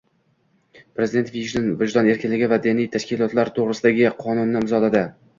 Prezident «Vijdon erkinligi va diniy tashkilotlar to‘g‘risida»gi qonunni imzoladi